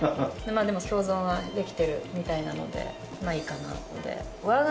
まぁでも共存はできてるみたいなのでまぁいいかなって。